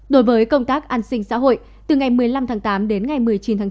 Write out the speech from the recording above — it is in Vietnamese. đối với công tác an sinh xã hội từ ngày một mươi năm tháng tám đến ngày một mươi chín tháng chín